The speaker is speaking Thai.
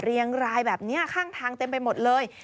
เรียงรายแบบนี้ข้างทางเต็มไปหมดเลย